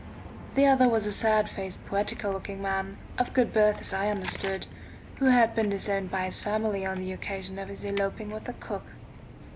The other was a sad faced poetical looking man, of good birth as I understood, who had been disowned by his family on the occasion of his eloping with the cook.